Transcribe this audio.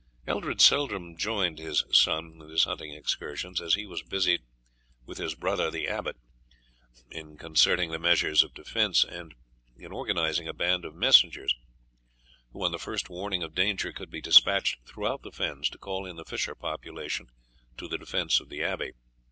Eldred seldom joined his son in his hunting excursions, as he was busied with his brother the abbot in concerting the measures of defence and in organizing a band of messengers, who, on the first warning of danger, could be despatched throughout the fens to call in the fisher population to the defence of the abbey.